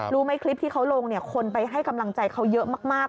รู้ไหมคลิปที่เขาลงเนี่ยคนไปให้กำลังใจเขาเยอะมาก